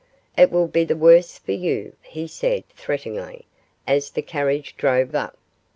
'It will be the worse for you,' he said, threateningly, as the carriage drove up.